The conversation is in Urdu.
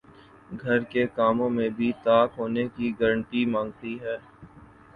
گھر کے کاموں میں بھی طاق ہونے کی گارنٹی مانگتی ہیں